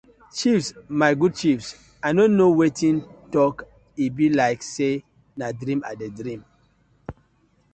Chiefs my good chiefs I no kno wetin tok e bi like say na dream I dey dream.